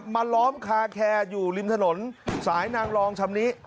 ล้อมคาแคร์อยู่ริมถนนสายนางรองชำนิ